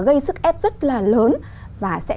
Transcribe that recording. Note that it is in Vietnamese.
gây sức ép rất là lớn và sẽ